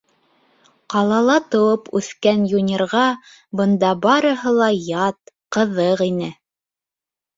Ҡалала тыуып үҫкән Юнирға бында барыһы ла ят, ҡыҙыҡ ине.